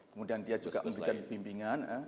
kemudian dia juga memberikan bimbingan